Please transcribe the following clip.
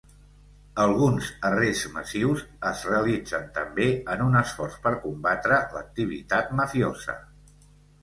Alguns arrests massius es realitzen també en un esforç per combatre l'activitat mafiosa.